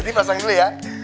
tadi pasang ini ya